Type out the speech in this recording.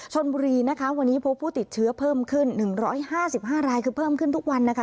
ชนบุรีนะคะวันนี้พบผู้ติดเชื้อเพิ่มขึ้น๑๕๕รายคือเพิ่มขึ้นทุกวันนะคะ